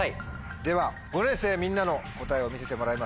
では５年生みんなの答えを見せてもらいましょう。